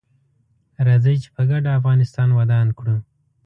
راځي چې په ګډه افغانستان ودان کړو